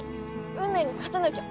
運命に勝たなきゃ！